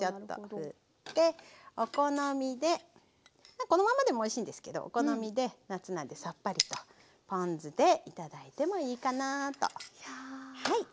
まあこのまんまでもおいしいんですけどお好みで夏なんでさっぱりとポン酢で頂いてもいいかなと思います。